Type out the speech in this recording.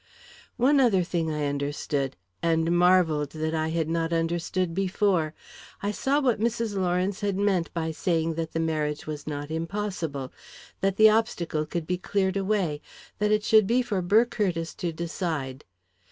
One other thing I understood and marvelled that I had not understood before. I saw what Mrs. Lawrence had meant by saying that the marriage was not impossible that the obstacle could be cleared away that it should be for Burr Curtiss to decide.